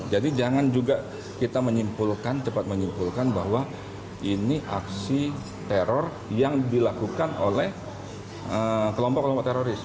jadi jangan juga kita menyimpulkan cepat menyimpulkan bahwa ini aksi teror yang dilakukan oleh kelompok kelompok teroris